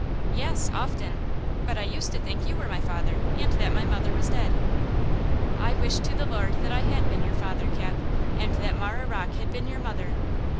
"Yes! often! But I used to think you were my father, and that my mother was dead." "I wish to the Lord that I had been your father, Cap, and that Marah Rocke had been your mother!